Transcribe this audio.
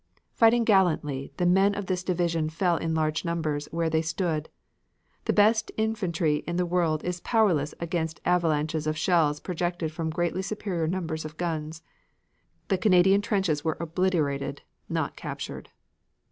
Fighting gallantly the men of this division fell in large numbers, where they stood. The best infantry in the world is powerless against avalanches of shells projected from greatly superior numbers of guns. The Canadian trenches were obliterated, not captured.